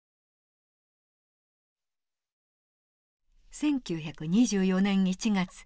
１９２４年１月。